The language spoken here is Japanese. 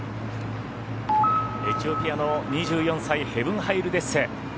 エチオピアの２４歳ヘヴン・ハイル・デッセ。